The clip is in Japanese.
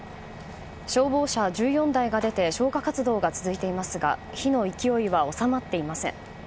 消防車１４台が出て消火活動が続いていますが火の勢いは収まっていません。